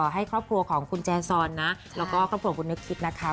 ให้ครอบครัวของคุณแจซอนนะแล้วก็ครอบครัวคุณนึกคิดนะคะ